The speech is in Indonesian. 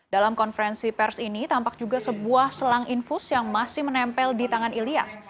dalam konferensi pers ini tampak juga sebuah selang infus yang masih menempel di tangan ilyas